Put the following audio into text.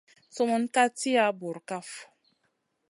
Sumun ka tiya bura kaf.